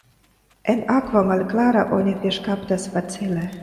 En akvo malklara oni fiŝkaptas facile.